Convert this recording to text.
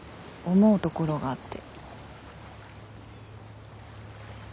「思うところがあって」。